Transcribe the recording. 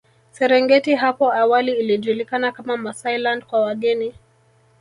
Serengeti hapo awali ilijulikana kama Maasailand kwa wageni